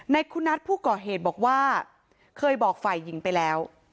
นายคุณัฐผู้ก่อเหตุบอกว่าเคยบอกไฟหยิงไปแล้ว